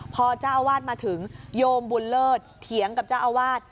พอเจ้าอาวาสมาถึงโยมบุญเลิศเถียงกับเจ้าอาวาส